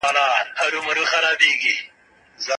د پښتو قاموس په کابل کي چاپ سو.